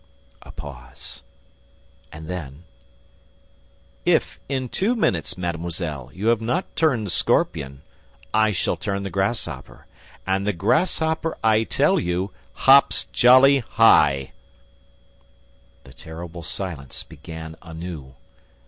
A pause; and then: "If, in two minutes, mademoiselle, you have not turned the scorpion, I shall turn the grasshopper ... and the grasshopper, I tell you, HOPS JOLLY HIGH!" The terrible silence began anew.